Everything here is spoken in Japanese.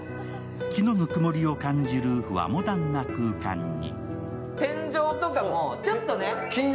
木のぬくもりを感じる和モダンな空間に。